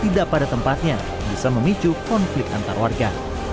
tidak pada tempatnya bisa memicu konflik antar warga